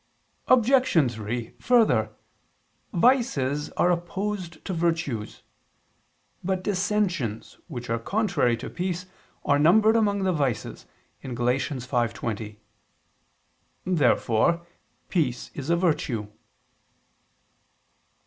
Obj. 3: Further, vices are opposed to virtues. But dissensions, which are contrary to peace, are numbered among the vices (Gal. 5:20). Therefore peace is a virtue.